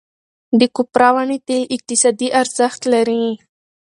د کوپره ونې تېل اقتصادي ارزښت لري.